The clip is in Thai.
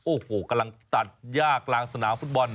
โอ้โหกำลังตัดยากกลางสนามฟุตบอล